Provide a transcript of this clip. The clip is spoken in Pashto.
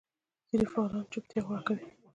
ځینې فعالان چوپتیا غوره کوي.